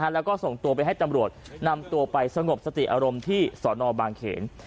แล้วก็ส่งตัวไปให้ตำรวจนำตัวไปสงบสติอารมณ์ที่สอนอบางเขน